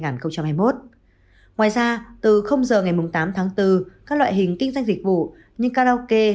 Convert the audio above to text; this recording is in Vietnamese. ngoài ra từ giờ ngày tám tháng bốn các loại hình kinh doanh dịch vụ như karaoke